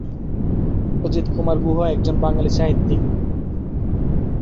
অজিতকুমার গুহ একজন বাঙালি সাহিত্যিক।